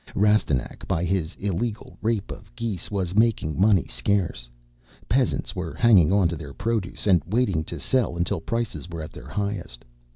Rastignac, by his illegal rape of geese, was making money scarce. Peasants were hanging on to their produce and waiting to sell until prices were at their highest.